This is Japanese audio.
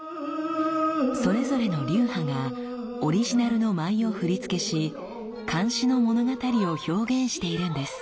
それぞれの流派がオリジナルの舞を振り付けし漢詩の物語を表現しているんです。